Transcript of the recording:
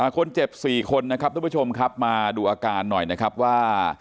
คนเจ็บ๔คนนะครับทุกผู้ชมครับมาดูอาการหน่อยนะครับว่า